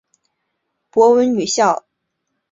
博文女校的创办者和校长是黄侃。